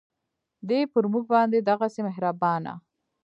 دی پر مونږ باندې دغهسې مهربانه